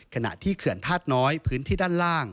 ขณะที่เขื่อนธาตุน้อยพื้นที่ด้านล่าง